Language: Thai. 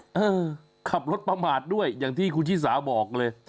เออขับรถประมาทด้วยอย่างที่คุณชิสาบอกเลย